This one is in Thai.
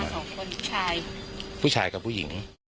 ผู้ชายผู้ชายกับผู้หญิง